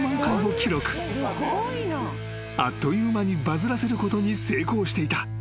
［あっという間にバズらせることに成功していた］